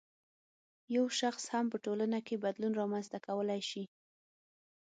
یو شخص هم په ټولنه کې بدلون رامنځته کولای شي.